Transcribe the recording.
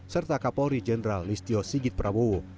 serta kapolri jenderal listio sigit prabowo